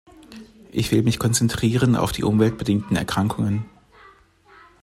Ich will mich konzentrieren auf die umweltbedingten Erkrankungen.